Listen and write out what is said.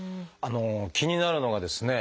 気になるのがですね